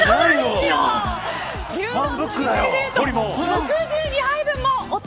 ６２杯分もお得